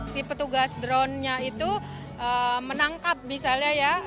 si petugas dronenya itu menangkap misalnya ya